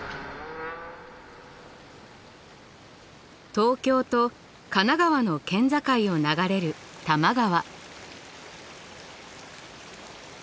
東京と神奈川の県境を流れる多摩川。